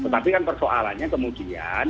tapi kan persoalannya kemudian